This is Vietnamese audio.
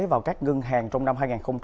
vào các ngân hàng trong năm hai nghìn hai mươi ba